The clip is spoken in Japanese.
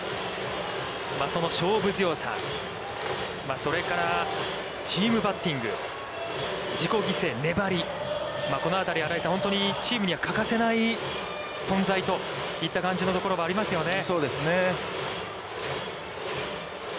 その勝負強さ、それからチームバッティング、自己犠牲、粘り、このあたりは新井さん、本当にチームには欠かせない存在といった感じのところもありますよね。